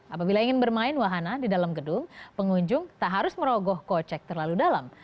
apabila ingin bermain wahana di dalam gedung pengunjung tak harus merogoh kocek terlalu dalam